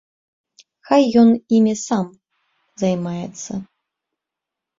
Хай ён імі займаецца.